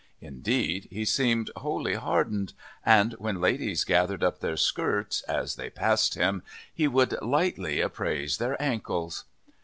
Indeed, he seemed wholly hardened, and when ladies gathered up their skirts as they passed him, he would lightly appraise their ankles.